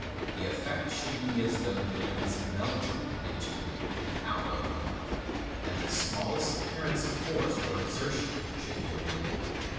The effect should be as though the rings melted into and out of one another, and the smallest appear ance of force or exertion should be avoided.